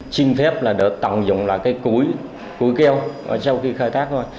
xin phép là để tận dụng lại cái củi củi keo sau khi khai thác thôi